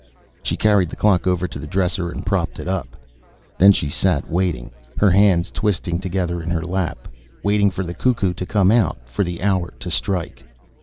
She carried the clock over to the dresser and propped it up. Then she sat waiting, her hands twisted together in her lap waiting for the cuckoo to come out, for the hour to strike.